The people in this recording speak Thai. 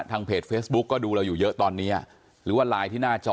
เพจเฟซบุ๊กก็ดูเราอยู่เยอะตอนนี้หรือว่าไลน์ที่หน้าจอ